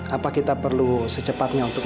apa kita perlu secepatnya untuk